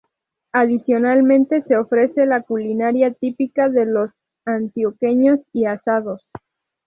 Adicionalmente se ofrece la culinaria típica de los antioqueños y asados.